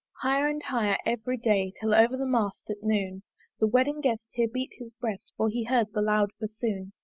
Higher and higher every day, Till over the mast at noon The wedding guest here beat his breast, For he heard the loud bassoon.